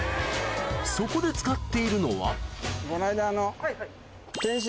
そこで使っているのはこの間の。